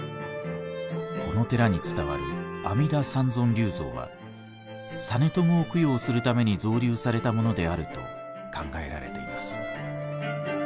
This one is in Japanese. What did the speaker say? この寺に伝わる阿弥陀三尊立像は実朝を供養するために造立されたものであると考えられています。